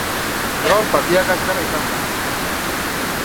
Gaur partida kaxkarra izan da.